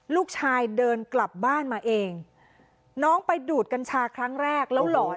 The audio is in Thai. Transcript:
ลูกชายเดินกลับบ้านมาเองน้องไปดูดกัญชาครั้งแรกแล้วหลอน